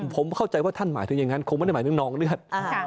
ผมเข้าใจว่าท่านหมายถึงอย่างนั้นคงไม่ได้หมายถึงนองเลือด